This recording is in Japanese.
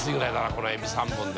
このエビ３本で。